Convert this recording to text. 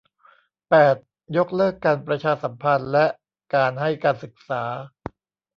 แปด ยกเลิกการประชาสัมพันธ์และการให้การศึกษา